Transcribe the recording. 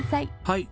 はい。